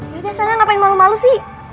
biasanya ngapain malu malu sih